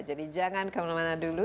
kamu yang mana dulu